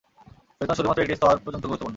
বেতন শুধুমাত্র একটি স্তর পর্যন্ত গুরুত্বপূর্ণ।